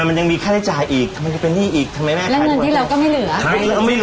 แล้วเงินที่เราก็ไม่เหลือ